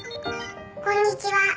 「こんにちは。